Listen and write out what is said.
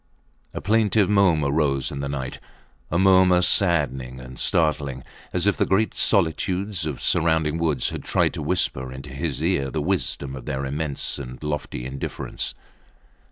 A plaintive murmur rose in the night; a murmur saddening and startling, as if the great solitudes of surrounding woods had tried to whisper into his ear the wisdom of their immense and lofty indifference.